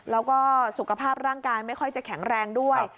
แล้วก็สุขภาพร่างกายไม่ค่อยจะแข็งแรงด้วย